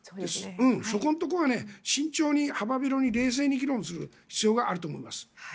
そこのところは慎重に幅広に冷静に議論する必要があると思います。